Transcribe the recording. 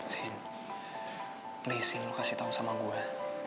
sin pleasein lo kasih tau sama gue